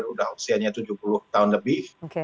udah usianya tujuh puluh tahun lebih